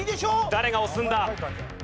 誰が押すんだ？